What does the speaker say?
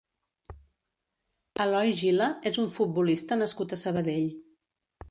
Eloy Gila és un futbolista nascut a Sabadell.